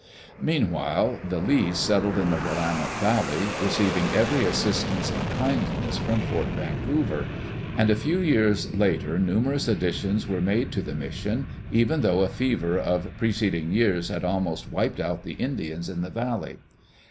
Meanwhile, the Lees settled in the Willamette Valley, receiving Digitized by CjOOQ IC EARLY, DAYS IN QLD OREGON every assistance and kindness from Fort Vancouver, and a few years later numerous additions were made to the mission, even though a fever of preceding years had almost wiped out the Indians in the val ley.